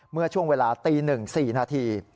เมื่อช่วงเวลาตี๑๔นาที